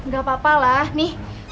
gak apa apa lah nih